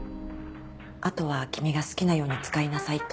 あとは君が好きなように使いなさいと。